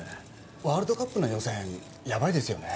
ワールドカップの予選ヤバいですよね。